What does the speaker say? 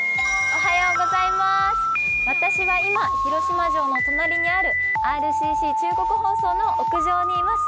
私は今、広島城の隣にあるＲＣＣ中国放送の屋上にいます。